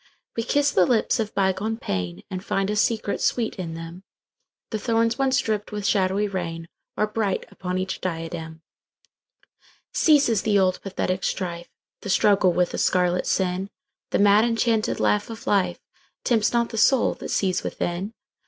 We kiss the lips of bygone painAnd find a secret sweet in them:The thorns once dripped with shadowy rainAre bright upon each diadem. Ceases the old pathetic strife, The struggle with the scarlet sin:The mad enchanted laugh of lifeTempts not the soul that sees within.